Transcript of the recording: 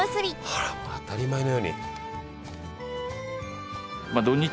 あら当たり前のように。